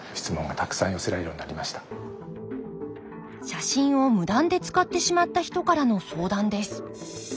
写真を無断で使ってしまった人からの相談です。